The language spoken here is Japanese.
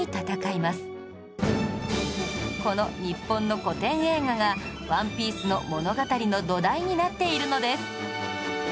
この日本の古典映画が『ＯＮＥＰＩＥＣＥ』の物語の土台になっているのです